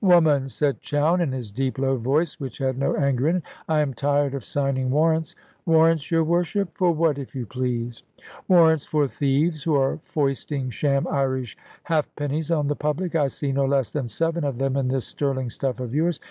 "Woman," said Chowne, in his deep low voice, which had no anger in it; "I am tired of signing warrants." "Warrants, your Worship! For what, if you please?" "Warrants for thieves who are foisting sham Irish halfpennies on the public. I see no less than seven of them in this sterling stuff of yours.